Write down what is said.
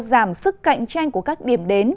giảm sức cạnh tranh của các điểm đến